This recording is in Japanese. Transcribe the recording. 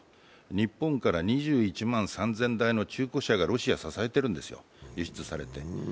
日本から２１万３０００台の中古車がロシアを支えているんですよ、輸出されて。